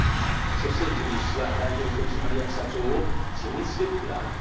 そして、ジュリー氏は代表取締役社長を辞任すべきであると。